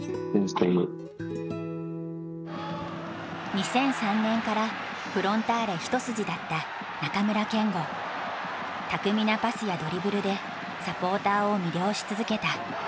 ２００３年からフロンターレ一筋だった巧みなパスやドリブルでサポーターを魅了し続けた。